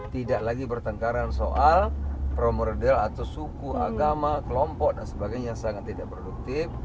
tidak lagi bertengkaran soal promoredel atau suku agama kelompok dan sebagainya yang sangat tidak produktif